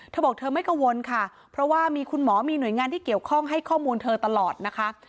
เธอบอกเธอไม่กังวลค่ะเพราะว่ามีคุณหมอมีหน่วยงานที่เกี่ยวข้องให้ข้อมูลเธอตลอดนะคะ